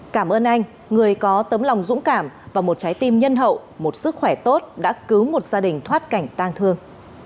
cảm ơn anh người có tấm lòng dũng cảm và một trái tim nhân hậu một sức khỏe tốt đã cứu một gia đình thoát cảnh tang thương